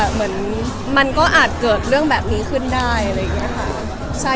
เหมือนมันก็อาจเกิดเรื่องแบบนี้ขึ้นได้